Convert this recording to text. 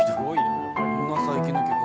こんな最近の曲。